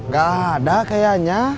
gak ada kayaknya